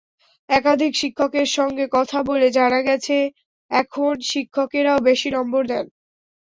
একাধিক শিক্ষকের সঙ্গে কথা বলে জানা গেছে, এখন শিক্ষকেরাও বেশি নম্বর দেন।